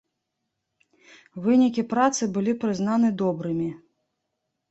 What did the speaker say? Вынікі працы былі прызнаны добрымі.